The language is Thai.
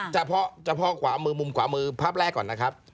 เฉพาะขวามือมุมขวามือภาพแรกก่อนนะครับ